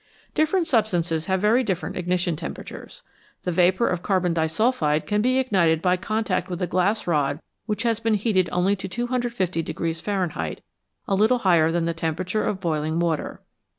Different substances have very different ignition tem peratures. The vapour of carbon disulphide can be ignited by contact with a glass rod which has been heated only to 250 Fahrenheit, a little higher than the temperature of boiling water.